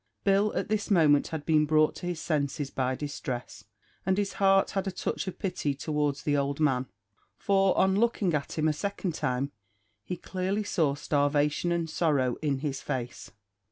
Bill at this moment had been brought to his senses by distress, and his heart had a touch of pity towards the old man; for, on looking at him a second time, he clearly saw starvation and sorrow in his face.